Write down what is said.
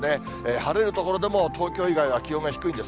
晴れる所でも、東京以外は気温が低いです。